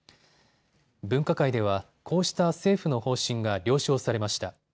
分科会では、こうした政府の方針が了承されました。